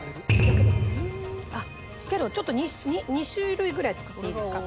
ずんだあっけどちょっと２種類ぐらい作っていいですか？